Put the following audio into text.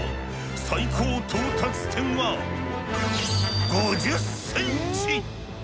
最高到達点は５０センチ！